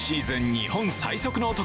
日本最速の男